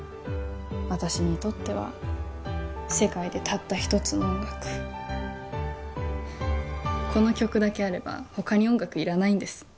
私にとっては世界でたった一つの音楽この曲だけあれば他に音楽いらないんです